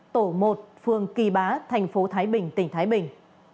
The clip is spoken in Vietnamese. tổ một phường kỳ bá thành phố thái bình tỉnh thái bình